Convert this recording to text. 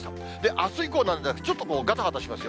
あす以降なんですが、ちょっとがたがたしますよ。